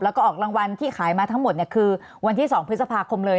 แล้วก็ออกรางวัลที่ขายมาทั้งหมดคือวันที่๒พฤษภาคมเลย